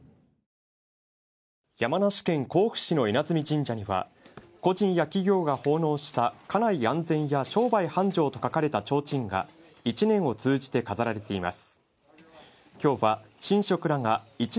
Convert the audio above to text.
山梨県甲府市の稲積神社には個人や企業が奉納した家内安全や商売繁盛と書かれたちょうちんが１年を通じて飾られています。